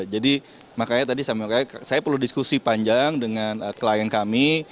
jadi makanya tadi saya perlu diskusi panjang dengan klien kami